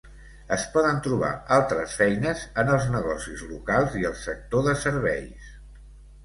Es poden trobar altres feines en els negocis locals i el sector de serveis.